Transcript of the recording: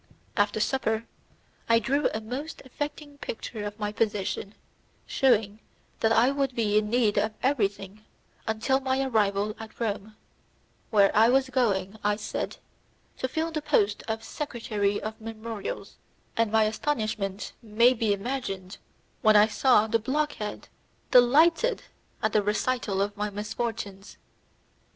After supper, I drew a most affecting picture of my position, shewing that I should be in need of everything until my arrival at Rome, where I was going, I said, to fill the post of secretary of memorials, and my astonishment may be imagined when I saw the blockhead delighted at the recital of my misfortunes.